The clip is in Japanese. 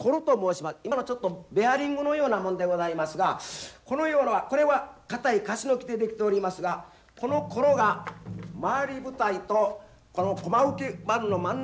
今のちょっとベアリングのようなものでございますがこのようなこれは堅いカシの木で出来ておりますがこのコロが回り舞台とこの駒受け板の真ん中に２４個入っております。